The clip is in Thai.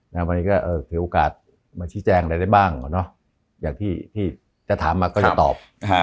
แล้วนี้ก็ไหลโอกาสมาชิ้นแจ้งอะไรได้บ้าอย่างที่คุณจะถามก็จะตอบ